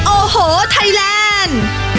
โอ้โหไทยแดน